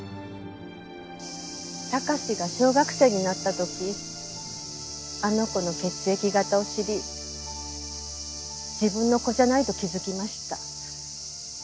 貴史が小学生になった時あの子の血液型を知り自分の子じゃないと気づきました。